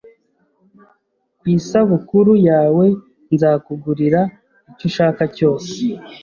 Ku isabukuru yawe, nzakugurira icyo ushaka cyose.